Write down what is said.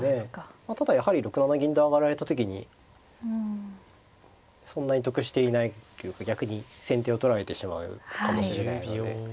まあただやはり６七銀と上がられた時にそんなに得していないというか逆に先手を取られてしまうかもしれないので。